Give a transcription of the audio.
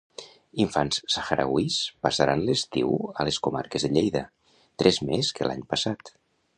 Infants sahrauís passaran l'estiu a les comarques de Lleida, tres més que l'any passat.